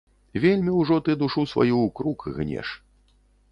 Вельмі ўжо ты душу сваю ў крук гнеш.